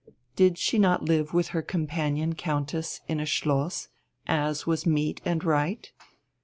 Did she not live with her companion countess in a schloss, as was meet and right?